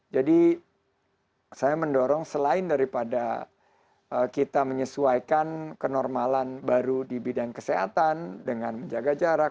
jadi saya mendorong selain daripada kita menyesuaikan kenormalan baru di bidang kesehatan dengan menjaga jarak